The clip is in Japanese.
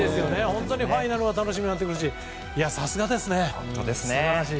本当にファイナルが楽しみになってくるしさすがですね、素晴らしい。